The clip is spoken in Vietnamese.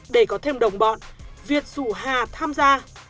để có thêm đồng bọn việt rủ hà tham gia